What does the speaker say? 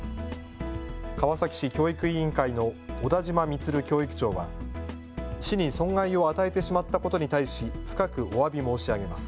川崎市教育委員会の小田嶋満教育長は市に損害を与えてしまったことに対し深くおわび申し上げます。